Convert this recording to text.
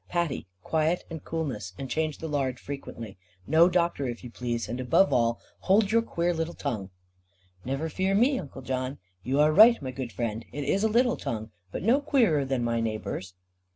Patty, quiet, and coolness, and change the lard frequently. No doctor, if you please; and above all hold your queer little tongue." "Never fear me, Uncle John; you are right, my good friend, it is a little tongue, but no queerer than my neighbours."